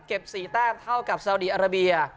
๔แต้มเท่ากับสาวดีอาราเบีย